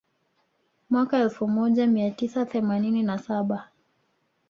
Mwaka elfu moja mia tisa themanini na saba